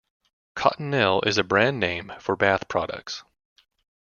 Cottonelle is a brand name for bath products.